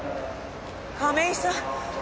亀井さん。